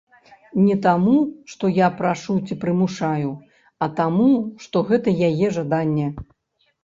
Не таму, што я прашу ці прымушаю, а таму, што гэта яе жаданне.